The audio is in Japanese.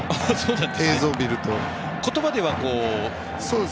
映像を見ると。